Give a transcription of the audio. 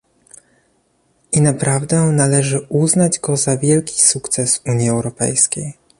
I naprawdę należy uznać go za wielki sukces Unii Europejskiej